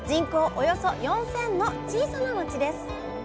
およそ４，０００の小さな町です